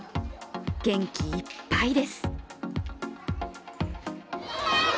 元気いっぱいです。